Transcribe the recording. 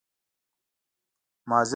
ماضي ته بدلون نه شو ورکولای پوه شوې!.